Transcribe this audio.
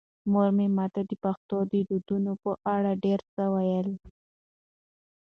مور مې ماته د پښتنو د دودونو په اړه ډېر څه وویل.